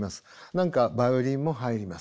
何かバイオリンも入ります。